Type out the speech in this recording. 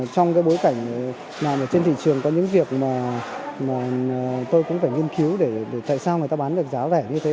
trong bối cảnh nào trên thị trường có những việc mà tôi cũng phải nghiên cứu để tại sao người ta bán được giá rẻ như thế